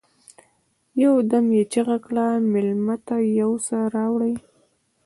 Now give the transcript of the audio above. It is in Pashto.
يودم يې چيغه کړه: مېلمه ته يو څه راوړئ!